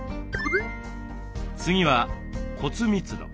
次は骨密度。